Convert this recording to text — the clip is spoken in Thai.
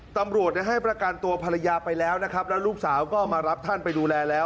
ตำรวจให้ประกันตัวภรรยาไปแล้วนะครับแล้วลูกสาวก็มารับท่านไปดูแลแล้ว